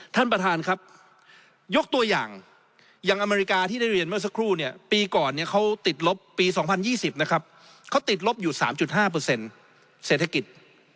ท่านประธานครับยกตัวอย่างอย่างอเมริกาที่ได้เรียนเมื่อสักครู่เนี่ยปีก่อนเนี่ยเขาติดลบปี๒๐๒๐นะครับเขาติดลบอยู่๓๕เศรษฐกิจ